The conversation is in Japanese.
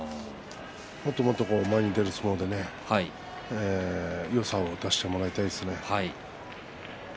もっともっと前に出る相撲でよさを出してもらいたいですね。